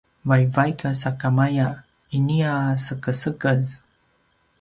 vaivaik sakamaya inia sekesekez